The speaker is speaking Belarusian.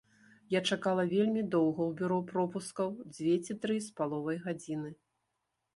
Я чакала вельмі доўга ў бюро пропускаў, дзве ці дзве з паловай гадзіны.